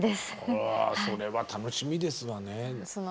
うわそれは楽しみですわね。